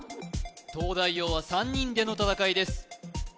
東大王は３人での戦いです